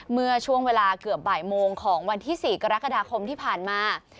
เมื่อช่วงเวลาเกือบบ่ายโมงของวันที่๔กรกฎาคมที่ผ่านมา